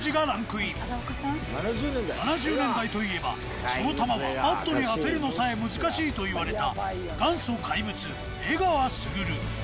７０年代といえばその球はバットに当てるのさえ難しいといわれた元祖怪物江川卓。